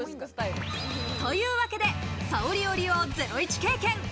というわけで、さをり織りをゼロイチ経験。